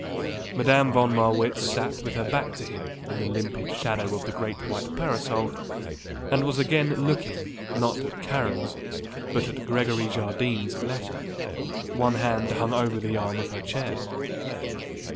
Madame von Marwitz sat with her back to him in the limpid shadow of the great white parasol and was again looking, not at Karen's, but at Gregory Jardine's, letter. One hand hung over the arm of her chair.